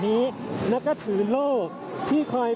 คุณภูริพัฒน์ครับ